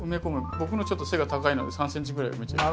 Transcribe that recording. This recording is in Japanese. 僕のちょっと背が高いので３ｃｍぐらい埋めちゃいます。